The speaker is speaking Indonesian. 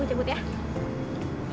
gue cabut ya